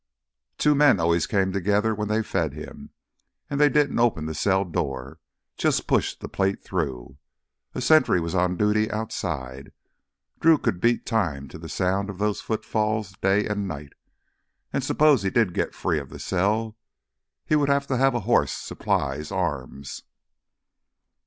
Two men always came together when they fed him, and they didn't open the cell door, but just pushed the plate through. A sentry was on duty outside. Drew could beat time to the sound of those footfalls day and night. And suppose he did get free of the cell; he would have to have a horse, supplies, arms....